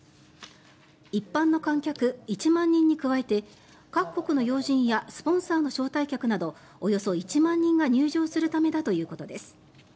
一般の観客１万人に加えて各国の要人やスポンサーの招待客などおよそ１万人が入場するためだということです。